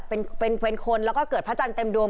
เป็นเป็นคนแล้วก็เกิดพระจันทร์เต็มดวง